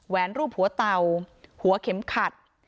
แหวนรูปหัวเตาหัวเข็มขัด